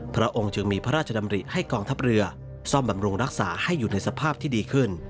พระองค์จึงมีพระราชดำริให้กองทัพเรือซ่อมบำรุงรักษาให้อยู่ในสภาพที่ดีขึ้น